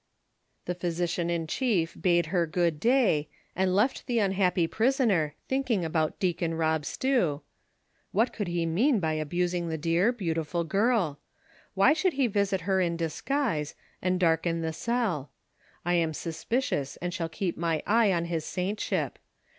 The physieian in chief bade her good day, and left the unhappy prisoner, thinking about Deacon Bob Stew : "What could he mean by abusing the dear, beautiful girl V Why should he visit her in disguise, and darken the 128 THE SOCIAL WAR OF 1900; OR, cell ? I am suspicious, and shall keep my eye on his saint ship.